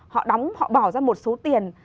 họ đóng họ bỏ ra một số tiền